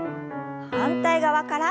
反対側から。